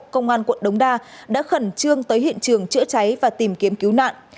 công an quận đống đa đã khẩn trương tới hiện trường chữa cháy và tìm kiếm cứu nạn